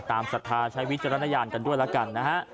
ศรัทธาใช้วิจารณญาณกันด้วยแล้วกันนะฮะ